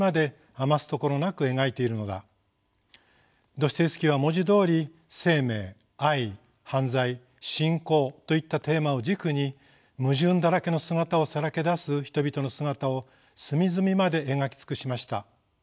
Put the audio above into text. ドストエフスキーは文字どおり生命愛犯罪信仰といったテーマを軸に矛盾だらけの姿をさらけ出す人々の姿を隅々まで描き尽くしました。